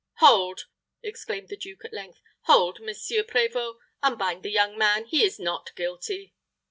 "Hold!" exclaimed the duke, at length. "Hold, Messire Prévôt. Unbind the young man. He is not guilty!"